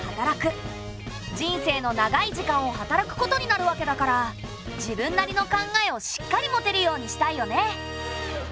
人生の長い時間を働くことになるわけだから自分なりの考えをしっかり持てるようにしたいよね。